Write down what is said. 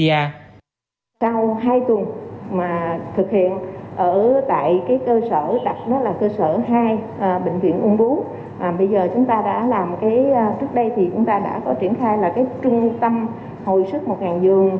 sau hai tuần mà thực hiện ở tại cơ sở hai